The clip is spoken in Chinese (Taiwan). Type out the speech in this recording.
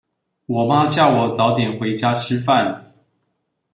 我媽叫我早點回家吃飯